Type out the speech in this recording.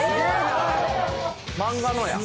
漫画のや。